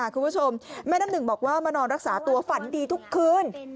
คุณผู้ชมแม่น้ำหนึ่งบอกว่ามานอนรักษาตัวฝันดีทุกคืน